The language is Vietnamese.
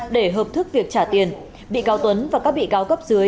để hợp thức việc trả tiền bị cáo tuấn và các bị cáo cấp dưới